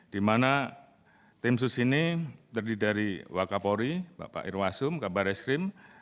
di mana tim sus ini terdiri dari wakapori bapak irwasum kabar eskrim